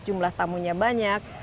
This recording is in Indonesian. jumlah tamunya banyak